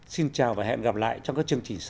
xin chào và hẹn gặp lại trong các chương trình sau